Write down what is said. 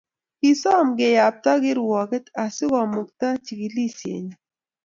Kisom keyapta kirwoket asikomukta chikilisienyi